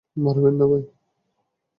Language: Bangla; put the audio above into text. মারবেন না, ভাই।